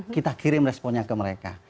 kita kirim responnya ke mereka